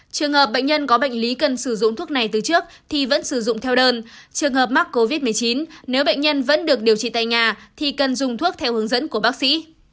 trường hợp bệnh nhân có bệnh lý cần sử dụng thuốc này từ trước thì vẫn sử dụng theo đơn trường hợp mắc covid một mươi chín nếu bệnh nhân vẫn được điều trị tại nhà thì cần dùng thuốc theo hướng dẫn của bác sĩ